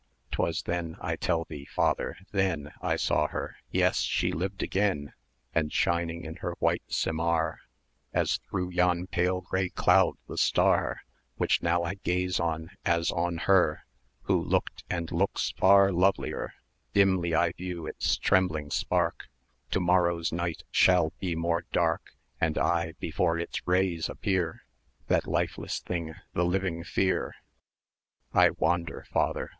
1270 'Twas then I tell thee father! then I saw her; yes, she lived again; And shining in her white symar As through yon pale gray cloud the star Which now I gaze on, as on her, Who looked and looks far lovelier; Dimly I view its trembling spark;[ev] To morrow's night shall be more dark; And I, before its rays appear, That lifeless thing the living fear. 1280 I wander father!